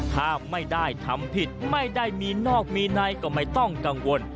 ถ้าไม่ได้ทำผิดไม่ได้มีนอกมีในก็ไม่ต้องกังวล